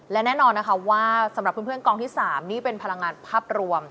และแน่นอนนะคะว่าสำหรับเพื่อนกองที่๓นี่เป็นพลังงานภาพรวม